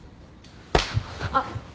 あっ。